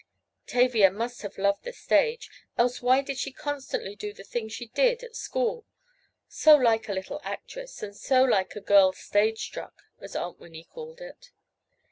Tavia must have loved the stage, else why did she constantly do the things she did at school, so like a little actress, and so like a girl "stage struck," as Aunt Winnie called it?